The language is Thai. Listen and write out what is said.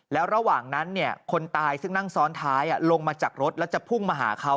แล้วระหว่างนั้นคนตายซึ่งนั่งซ้อนท้ายลงมาจากรถแล้วจะพุ่งมาหาเขา